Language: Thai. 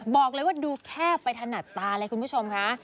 บอกเลยว่าดูแคบไปถนัดตาเลยคุณผู้ชมค่ะ